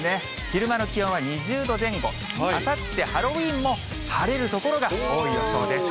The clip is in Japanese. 昼間の気温は２０度前後、あさってハロウィーンも晴れる所が多い予想です。